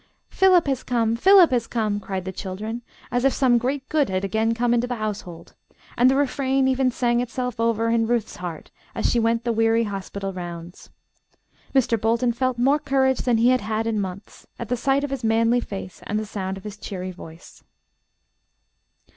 "Philip has come, Philip has come," cried the children, as if some great good had again come into the household; and the refrain even sang itself over in Ruth's heart as she went the weary hospital rounds. Mr. Bolton felt more courage than he had had in months, at the sight of his manly face and the sound of his cheery voice.